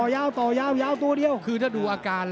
โอ้โหแดงโชว์อีกเลยเดี๋ยวดูผู้ดอลก่อน